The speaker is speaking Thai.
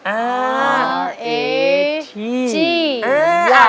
อ่านว่า